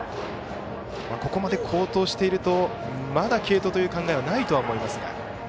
ここまで好投しているとまだ継投という考えはないとは思いますが。